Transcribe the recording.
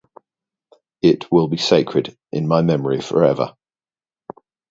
It will be sacred in my memory forever.